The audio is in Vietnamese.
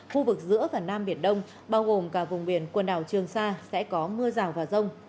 khu vực giữa và nam biển đông bao gồm cả vùng biển quần đảo trường sa sẽ có mưa rào và rông